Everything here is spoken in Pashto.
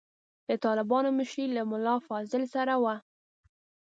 د طالبانو مشري له ملا فاضل سره وه.